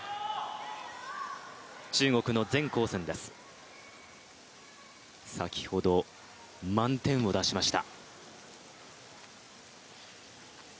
中国の全紅嬋先ほど満点を出しました。